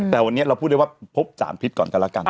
แต่วันนี้เราพูดได้ว่าพบสารพิษก่อนกันแล้วกัน